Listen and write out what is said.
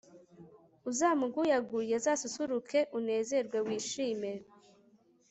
uzamuguyaguye, azasusuruke unezerwe wishime